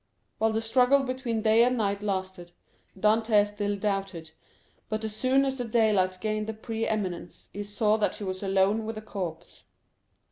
While the struggle between day and night lasted, Dantès still doubted; but as soon as the daylight gained the pre eminence, he saw that he was alone with a corpse.